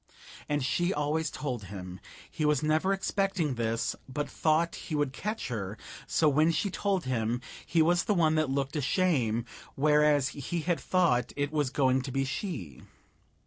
And she always told him. He was never expecting this but thought he would catch her; so when she told him, he was the one that looked ashamed, whereas he had thought it was going to be she.